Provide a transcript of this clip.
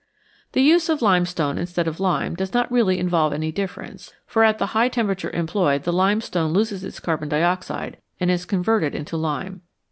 The use of limestone instead of lime does not really involve any difference, for at the high temperature employed the limestone loses its carbon dioxide and is converted into lime.